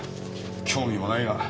興味もないが。